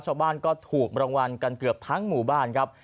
ชาวบ้านก็ถูกรางวัลกันเกือบทั้งหมู่บ้านครับ